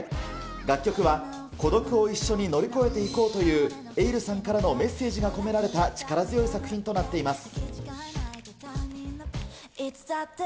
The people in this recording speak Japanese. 楽曲は、孤独を一緒に乗り越えていこうというエイルさんからのメッセージが込められた力強い作品となっています。